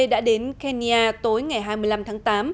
đã đến kenya tối ngày hai mươi năm tháng tám